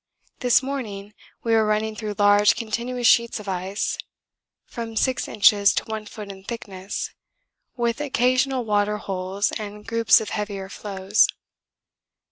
This morning we were running through large continuous sheets of ice from 6 inches to 1 foot in thickness, with occasional water holes and groups of heavier floes.